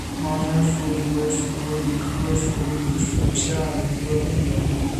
毛山鼠李为鼠李科鼠李属下的一个变种。